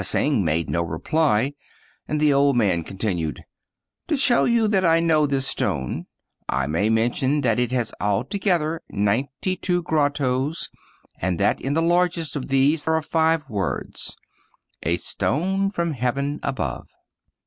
Hsing made no reply ; and the old man continued, " To show you that I know this stone, I may mention that it has altogether ninety two grottoes, and that in the largest of these are five words :* A stone from Heaven above.'